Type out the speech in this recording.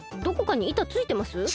どこかに板ついてます？